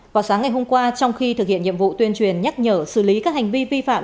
vào sáng ngày hôm qua trong khi thực hiện nhiệm vụ tuyên truyền nhắc nhở xử lý các hành vi vi phạm